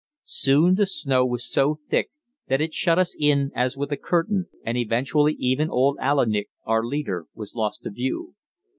Soon the snow was so thick that it shut us in as with a curtain, and eventually even old Aillik, our leader, was lost to view.